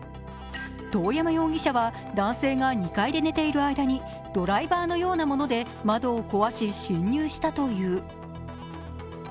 遠山容疑者は男性が２階で寝ている間に、ドライバーのようなもので窓を壊し侵入したという。